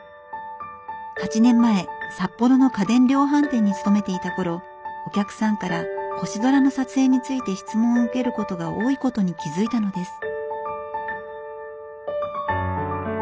８年前札幌の家電量販店に勤めていた頃お客さんから星空の撮影について質問を受けることが多いことに気付いたのです。